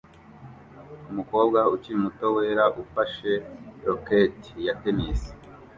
Umukobwa ukiri muto wera ufashe racket ya tennis